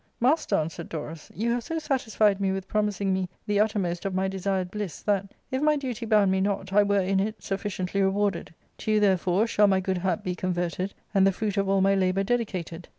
" Master," answered Dorus, " you have so satisfied me with promising me the uttermost of my desired bliss, that, if my duty bound me not, I were in it sufficiently rewarded. To you, therefore, shall my good hap be converted, and the fruit of all my labour dedicated."